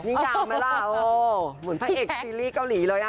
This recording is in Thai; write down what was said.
ยาวไหมล่ะเออเหมือนพระเอกซีรีส์เกาหลีเลยอ่ะ